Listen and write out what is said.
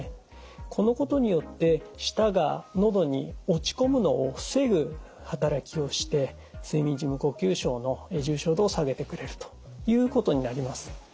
このことによって舌がのどに落ち込むのを防ぐ働きをして睡眠時無呼吸症の重症度を下げてくれるということになります。